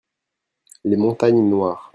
Les Montagnes Noires.